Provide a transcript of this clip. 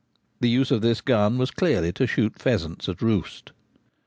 The use of this gun was clearly to shoot pheasants at roost.